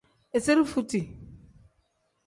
Izire futi.